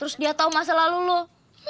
saya masih masih